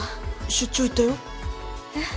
出張行ったよえっ？